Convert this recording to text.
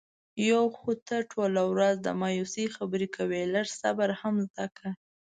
یو خو ته ټوله ورځ د مایوسی خبرې کوې. لږ صبر هم زده کړه.